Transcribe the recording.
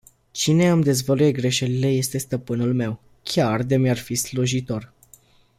Cine îmi dezvăluie greșelile este stăpânul meu, chiar de mi-ar fi slujitor.